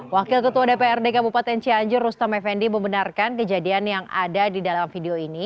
wakil ketua dprd kabupaten cianjur rustam effendi membenarkan kejadian yang ada di dalam video ini